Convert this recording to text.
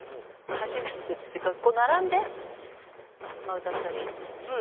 初めてっていうか並んで歌ったりするのは。